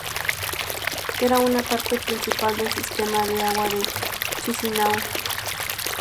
Era una parte principal del sistema de agua de Chisinau.